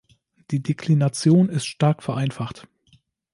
Die Deklination ist stark vereinfacht.